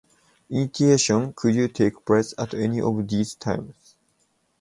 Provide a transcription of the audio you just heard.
Initiation could take place at any of these times.